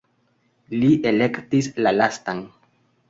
Li elektis la lastan.